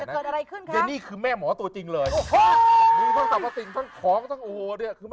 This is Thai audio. นั่นไงนั่นไงคุณแม่ชอบค่ะ